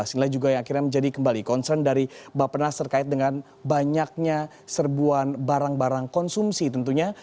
inilah juga yang akhirnya menjadi kembali concern dari bapak penas terkait dengan banyaknya serbuan barang barang konsumsi tentunya